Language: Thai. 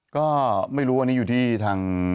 ก็ไม่รู้อันนี้อยู่ที่ทาง